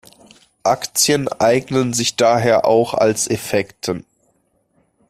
Aktien eignen sich daher auch als Effekten.